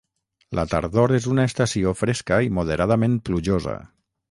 La tardor és una estació fresca i moderadament plujosa.